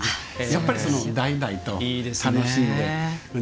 やっぱり、代々で楽しんで。